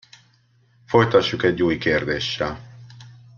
Folytassuk egy új kérdéssel.